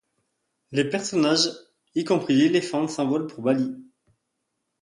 Les personnages, y compris l'éléphante s'envolent pour Bali.